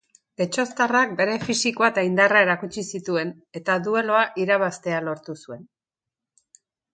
Getxoztarrak bere fisikoa eta indarra erakutsi zituen, eta duelua irabaztea lortu zuen.